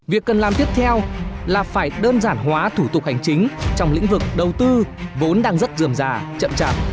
việc cần làm tiếp theo là phải đơn giản hóa thủ tục hành chính trong lĩnh vực đầu tư vốn đang rất dườm già chậm chạp